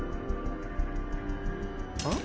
あっ？